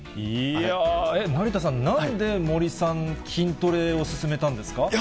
いやー、成田さん、なんで森さん、筋トレを勧めたんですか？